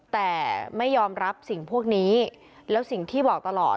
แต่ไม่ยอมรับสิ่งพวกนี้แล้วสิ่งที่บอกตลอด